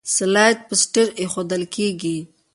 سلایډ په سټیج ایښودل کیږي.